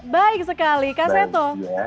baik sekali kak seto